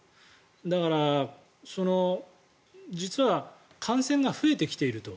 だから実は感染が増えてきていると。